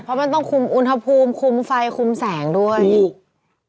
เพราะมันต้องคุมอุณหภูมิคุมไฟคุมแสงด้วยถูก